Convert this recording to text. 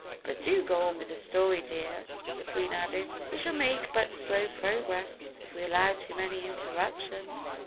"But go on with the story, dear," the Queen added; "we shall make but slow progress if we allow too many interruptions."